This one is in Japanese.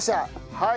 はい。